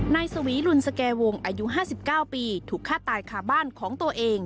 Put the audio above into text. นายสวีลุนสแกวงอายุห้าสิบเก้าปีถูกฆ่าตายขาบ้านของตัวเอง